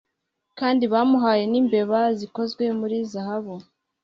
kandi bamuhaye n'imbeba zikozwe muri zahabu